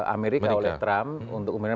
amerika oleh trump untuk